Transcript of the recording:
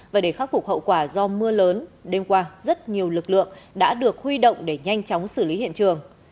và để khắc phục hậu quả do mưa lớn đêm qua rất nhiều lực lượng đã được huy động để nhanh chóng xử lý hiện trường